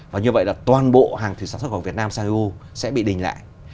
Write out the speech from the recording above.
và như vậy là toàn bộ hàng thủy sản xuất của việt nam sang eu sẽ bị đình lại